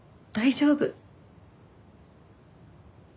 大丈夫。